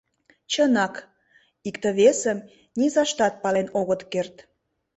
Чынак, икте-весым низаштат пален огыт керт.